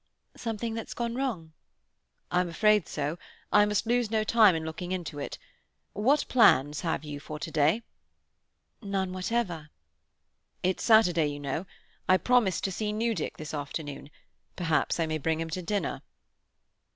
"Something that's going wrong?" "I'm afraid so. I must lose no time in looking to it. What plans have you for to day?" "None whatever." "It's Saturday, you know. I promised to see Newdick this afternoon. Perhaps I may bring him to dinner."